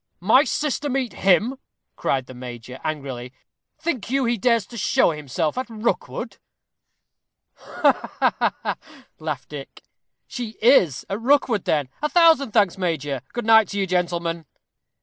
"My sister meet him!" cried the major, angrily "think you he dares show himself at Rookwood?" "Ho! ho!" laughed Dick "she is at Rookwood, then? A thousand thanks, major. Good night to you, gentlemen."